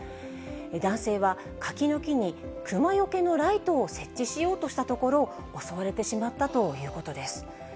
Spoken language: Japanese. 男性は柿の木にクマよけのライトを設置しようとしたところ、襲われてしまったということです。